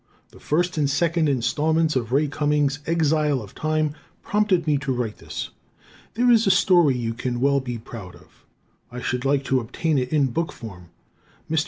The first and second installments of Ray Cummings' "Exile of Time" prompted me to write this. There is a story you can well be proud of. I should like to obtain it in book form. Mr.